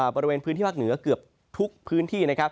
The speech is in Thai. บริเวณพื้นที่ภาคเหนือเกือบทุกพื้นที่นะครับ